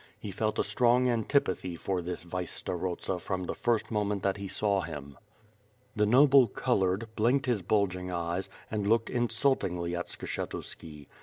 He felt a strong antipathy for this vice starosta from the first moment that he saw him. WITH FIRE AND SWORD. 21 The noble colored, blinked his bulging eyes, and looked insultingly at Skshetuski.